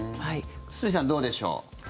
堤さん、どうでしょう。